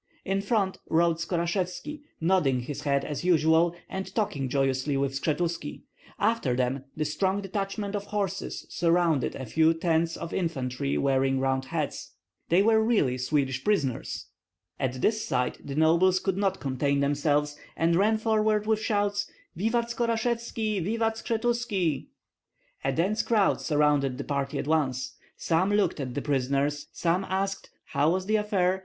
In front rode Skorashevski, nodding his head as usual and talking joyously with Skshetuski; after them the strong detachment of horse surrounded a few tens of infantry wearing round hats. They were really Swedish prisoners. At this sight the nobles could not contain themselves; and ran forward with shouts: "Vivat Skorashevski! Vivat Skshetuski!" A dense crowd surrounded the party at once. Some looked at the prisoners; some asked, "How was the affair?"